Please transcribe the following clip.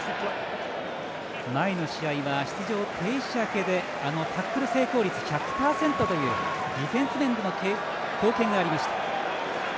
前の試合は出場停止明けでタックル成功率１００％というディフェンス面での貢献がありました。